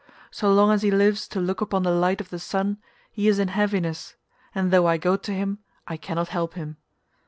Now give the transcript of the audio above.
So long as he lives to look upon the light of the sun he is in heaviness, and though I go to him I cannot help him.